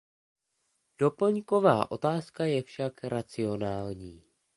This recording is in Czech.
Doplňková otázka je však racionální.